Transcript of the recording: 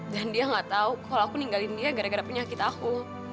dan dia gak tahu kalau aku ninggalin dia gara gara penyakit aku